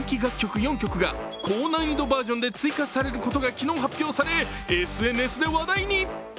４曲が高難易度バージョンで追加されることが昨日発表され、ＳＮＳで話題に。